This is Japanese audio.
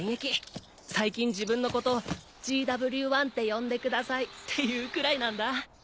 最近自分のこと「ＧＷ−１って呼んでください」って言うくらいなんだ。